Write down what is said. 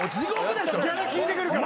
ギャラ聞いてくるから。